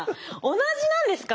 同じなんですか？